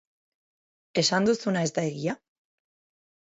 Esan duzuna ez da egia?